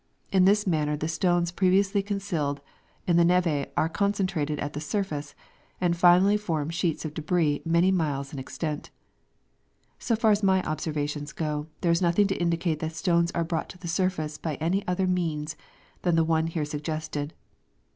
In this manner the stones previously concealed in the neve are con centrated at the surface, and finally form sheets of debris many miles in extent. So far as my observations go, there is nothing to indicate that stones are brought to the surface by any other means than the one here suggested.